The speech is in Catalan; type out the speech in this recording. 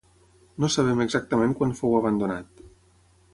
No sabem exactament quan fou abandonat.